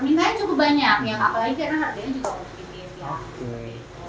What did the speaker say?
nah ini cukup banyak apalagi karena harganya juga berbeda